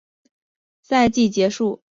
赛季结束后贝尔垂成为自由球员。